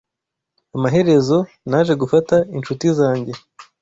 Amaherezo, naje gufata inshuti zanjye